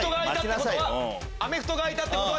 アメフトが開いたってことは？